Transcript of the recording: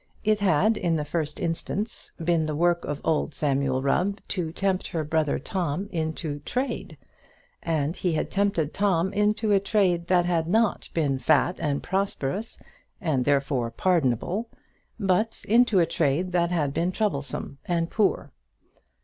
It had, in the first instance, been the work of old Samuel Rubb to tempt her brother Tom into trade; and he had tempted Tom into a trade that had not been fat and prosperous, and therefore pardonable, but into a trade that had been troublesome and poor.